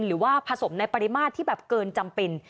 หรือว่าผสมในปริมาตรที่แบบเกินจำเป็น